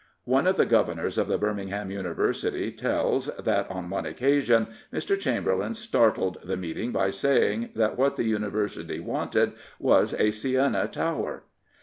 One of the governors of the Birmingham University tells that on one occasion Mr. Chamberlain startled the meeting by saying that what the Uni versity wanted was a Siena tower.